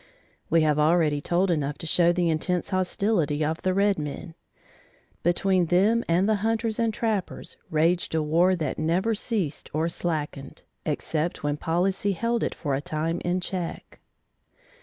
We have already told enough to show the intense hostility of the red men; between them and the hunters and trappers raged a war that never ceased or slackened, except when policy held it for a time in check.